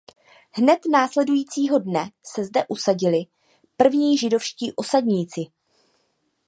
Hned následujícího dne se zde usadili první židovští osadníci.